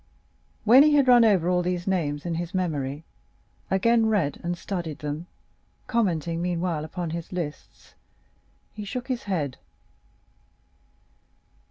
When he had run over all these names in his memory, again read and studied them, commenting meanwhile upon his lists, he shook his head.